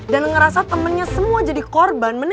dan ngerasa temennya semua jadi korban